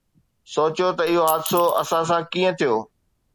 سوچيو ته اهو حادثو اسان سان ڪيئن ٿيو.